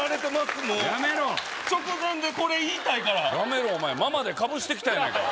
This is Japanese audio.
もうやめろ直前でこれ言いたいからやめろお前「ママ」でかぶしてきたやないかいアホ